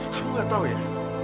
kamu gak tau ya